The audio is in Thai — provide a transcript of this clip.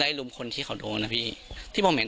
ช่วยเร่งจับตัวคนร้ายให้ได้โดยเร่ง